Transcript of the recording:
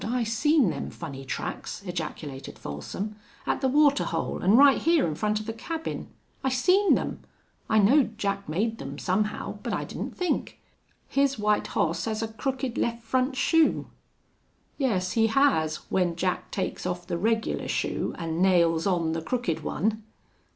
I seen them funny tracks!" ejaculated Folsom. "At the water hole an' right hyar in front of the cabin. I seen them. I knowed Jack made them, somehow, but I didn't think. His white hoss has a crooked left front shoe." "Yes, he has, when Jack takes off the regular shoe an' nails on the crooked one....